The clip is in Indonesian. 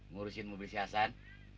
ngurusin mobil si hasan